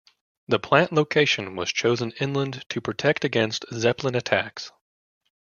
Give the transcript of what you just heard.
The plant location was chosen inland to protect against Zeppelin attacks.